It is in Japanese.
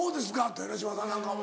豊ノ島さんなんかも。